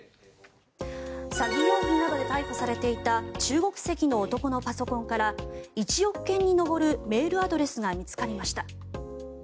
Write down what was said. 詐欺容疑などで逮捕されていた中国籍の男のパソコンから１億件に上るメールアドレスが見つかりました。